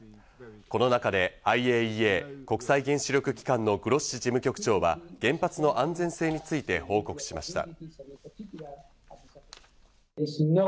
この中でＩＡＥＡ＝国際原子力機関のグロッシ事務局長は原発の安全性について報告しました。